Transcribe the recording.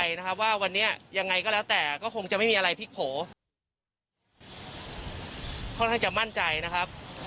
ลองไปฟังเสียงวันยากาศช่วงนี้กันค่ะ